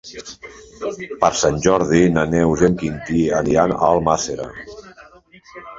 Per Sant Jordi na Neus i en Quintí aniran a Almàssera.